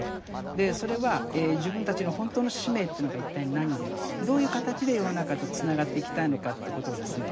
でそれは自分たちの本当の使命というのが一体何でどういう形で世の中とつながっていきたいのかということをですね